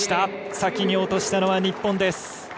先に落としたのは日本です。